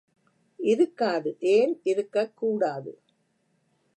இருக்காது!, ஏன் இருக்கக்கூடாது?